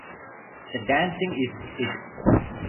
The dancing is it.